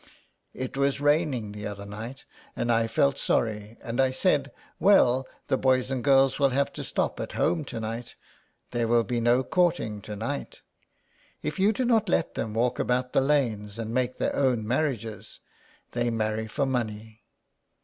" It was raining the other night, and I felt sorry, and I said, * Well, the boys and girls will have to stop at home to night, there will be no courting to night' If you do not let them walk about the lanes and make their own marriages, they marry for money.